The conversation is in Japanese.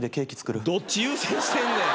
どっち優先してんねん。